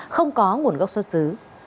không có nguồn gốc xuất xứ